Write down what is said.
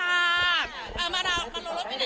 มารอรถไปไหนจังคะ